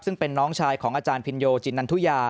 ซึ่งเป็นน้องชายของอาจารย์พินโยจินนันทุยา